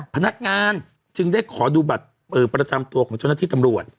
พนักงานจึงได้ขอดูบัตรประจำตัวของเจ้าหน้าที่ตำรวจ